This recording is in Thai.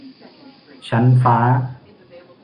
ชั้นฟ้า